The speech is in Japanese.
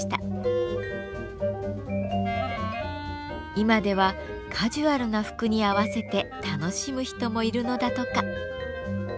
今ではカジュアルな服に合わせて楽しむ人もいるのだとか。